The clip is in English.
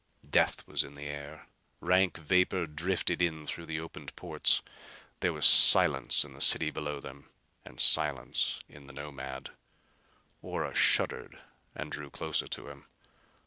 Death was in the air. Rank vapor drifted in through the opened ports. There was silence in the city below them and silence in the Nomad. Ora shuddered and drew closer to him.